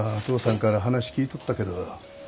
父さんから話聞いとったけど。